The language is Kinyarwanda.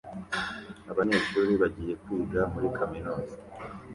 Abanyeshuri bagiye kwiga muri kaminuza